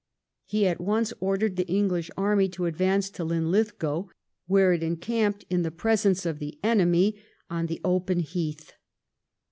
He at once ordered the English army to advance to Linlithgow, where it encamped in the presence of the enemy on the open heath.